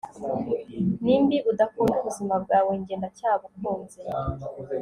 nimbi udakunda ubuzima bwawe njye ndacyabukunze